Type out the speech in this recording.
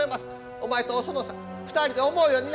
お前とお園さん２人で思うようになさい！